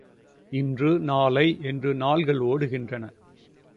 இன்று, நாளை என்று நாள்கள் ஒடுகின்றன.